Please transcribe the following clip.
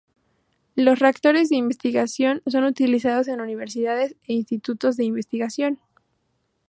Los reactores de investigación son los utilizados en universidades e institutos de investigación.